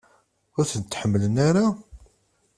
Ur tent-ḥemmlen ara?